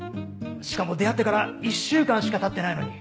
しかも出会ってから１週間しかたってないのに。